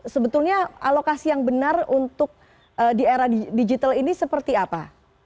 sebetulnya alokasi yang benar untuk di era digital ini seperti apa